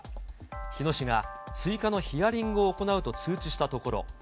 日野市が、追加のヒアリングを行うと通知したところ。